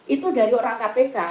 itu dari orang kpk